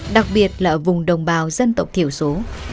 đặc biệt là ở vùng đồng bào dân tộc thiểu số